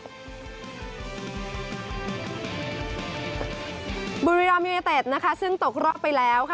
บุรีรอมยูเนยเตทซึ่งตกรอบไปแล้วค่ะ